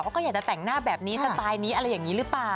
ก็อยากจะแต่งหน้าแบบนี้สไตล์นี้อะไรอย่างนี้หรือเปล่า